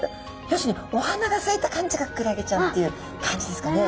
要するにお花がさいた感じがクラゲちゃんっていう感じですかね。